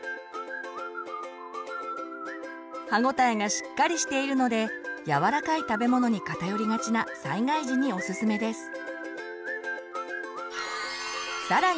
歯応えがしっかりしているので柔らかい食べ物に偏りがちな災害時におすすめです。